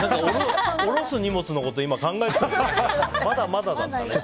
下ろす荷物のことを考えてるけどまだまだだったね。